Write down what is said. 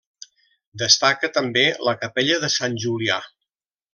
Destaca també la Capella de Sant Julià.